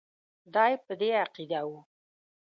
دی په دې عقیده وو.